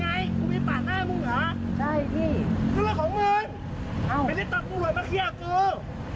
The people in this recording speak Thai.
นั่นแหละของเงินไม่ได้ตัดบุหรษมาเขี้ยเกอร์